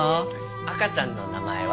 赤ちゃんの名前は？